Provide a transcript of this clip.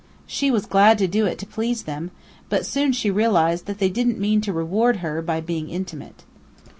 She was glad to do it to please them; but soon she realized that they didn't mean to reward her by being intimate.